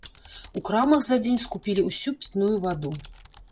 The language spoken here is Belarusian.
У крамах за дзень скупілі ўсю пітную ваду.